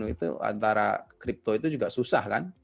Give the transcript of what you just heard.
itu antara crypto itu juga susah kan